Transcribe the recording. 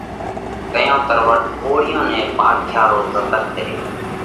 تئيون تروٽ ڪوۯِيئون نئہ پارکيا رو زتنَ ڪريو۔